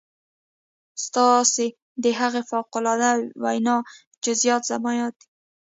ستاسې د هغې فوق العاده وينا جزئيات زما ياد دي.